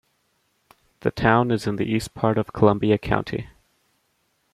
The town is in the east part of Columbia County.